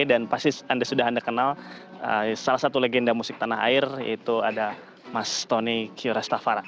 dan pasti anda sudah anda kenal salah satu legenda musik tanah air itu ada mas tony kiorastafara